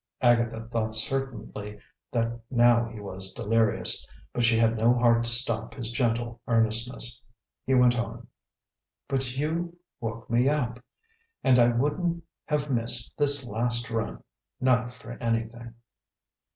Agatha thought certainly that now he was delirious, but she had no heart to stop his gentle earnestness. He went on: "But you woke me up. And I wouldn't have missed this last run, not for anything.